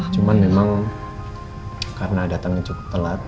cuman memang karena datangnya cukup telat